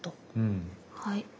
はい。